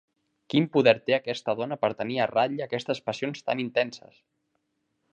Quin poder té aquesta dona per tenir a ratlla aquestes passions tan intenses!